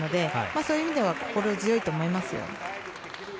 そういう意味では心強いと思いますよ。